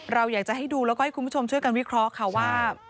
เราอยากจะให้ดูแล้วก็ให้คุณผู้ชมช่วยกันวิเคราะห์ค่ะว่า